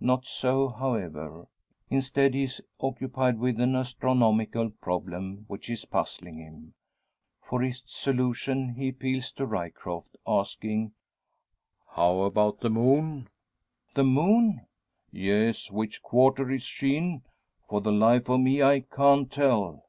Not so, however. Instead, he is occupied with an astronomical problem which is puzzling him. For its solution he appeals to Ryecroft, asking: "How about the moon?" "The moon?" "Yes. Which quarter is she in? For the life of me, I can't tell."